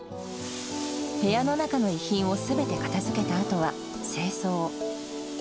部屋の中の遺品を全て片づけたあとは清掃。